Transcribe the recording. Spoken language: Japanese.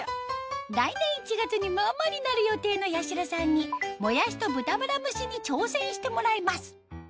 来年１月にママになる予定のやしろさんにもやしと豚バラ蒸しに挑戦してもらいます